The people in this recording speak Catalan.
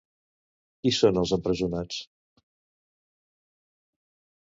Qui són els empresonats?